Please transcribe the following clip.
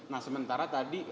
nah sementara tadi